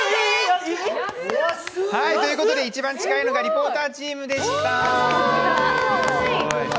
ということで、一番近いのがリポーターチームでした。